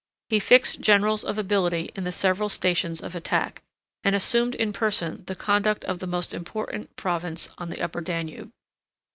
He fixed generals of ability in the several stations of attack, and assumed in person the conduct of the most important province on the Upper Danube.